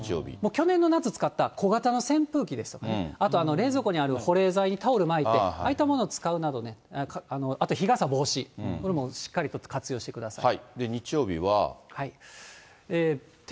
去年の夏使った小型の扇風機ですとかね、あと冷蔵庫にある保冷ざいにタオル巻いて、ああいったものを使うなどね、あと日傘、帽子、これもしっかりと活用してください。